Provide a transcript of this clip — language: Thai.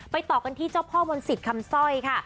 ต่อกันที่เจ้าพ่อมนศิษย์คำสร้อยค่ะ